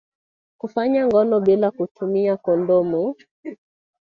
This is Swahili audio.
Kufanya ngono bila ya kutumia kondomu